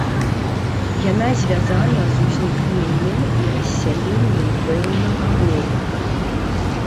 Яна звязана з узнікненнем і рассяленнем пэўнага рода.